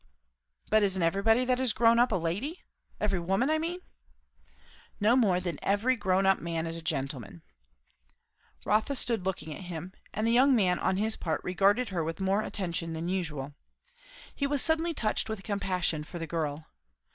'" "But isn't everybody that is grown up, a 'lady'? every woman, I mean?" "No more than every grown up man is a gentleman." Rotha stood looking at him, and the young man on his part regarded her with more attention than usual. He was suddenly touched with compassion for the girl.